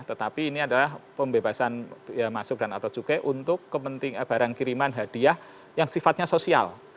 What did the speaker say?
tetapi ini adalah pembebasan biaya masuk dan atau cukai untuk kepentingan barang kiriman hadiah yang sifatnya sosial